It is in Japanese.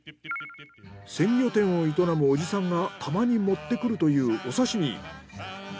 鮮魚店を営む伯父さんがたまに持ってくるというお刺身。